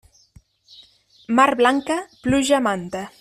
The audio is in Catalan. Mar blanca, pluja a manta.